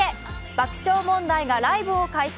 爆笑問題がライブを開催。